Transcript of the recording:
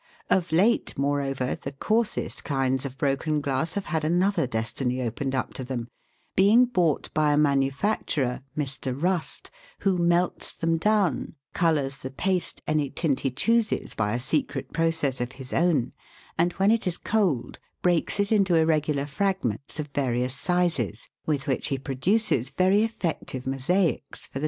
Of late, moreover, the coarsest kinds of broken glass have had another destiny opened up to them, being bought by a manufacturer Mr. Rust who melts them down, colours the paste any tint he chooses by a secret process of his own, and when it is cold breaks it into irregular fragments of various sizes, with which he produces very effective mosaics for the 288 THE WORLD'S LUMBER ROOM.